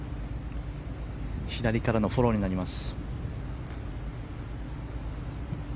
左からのフォローになります。